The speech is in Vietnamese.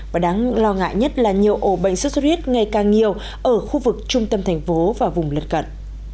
và đáng lo ngại nhất là nhiều ổ bệnh sốt xuất huyết ngày càng nhiều ở khu vực trung tâm thành phố và vùng lật cận